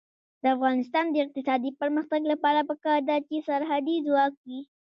د افغانستان د اقتصادي پرمختګ لپاره پکار ده چې سرحدي ځواک وي.